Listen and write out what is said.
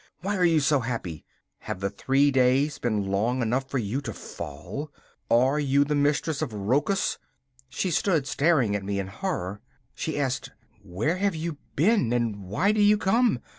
why are you so happy? Have the three days been long enough for you to fall? Are you the mistress of Rochus?' She stood staring at me in horror. She asked: 'Where have you been and why do you come?